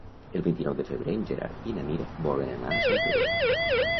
El vint-i-nou de febrer en Gerard i na Mira volen anar a Santpedor.